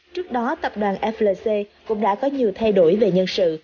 trước đó tập đoàn flc cũng đã có nhiều thay đổi về nhân sự